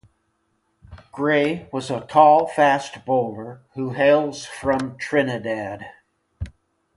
Gray was a tall fast bowler who hails from Trinidad.